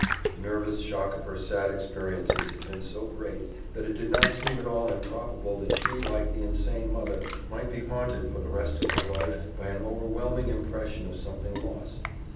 The nervous shock of her sad experiences had been so great that it did not seem at all improbable that she, like the insane mother, might be haunted for the rest of her life by an overwhelming impression of something lost.